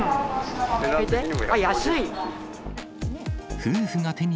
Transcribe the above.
あっ、安い！